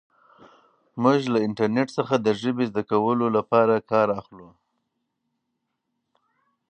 موږ له انټرنیټ څخه د ژبې زده کولو لپاره کار اخلو.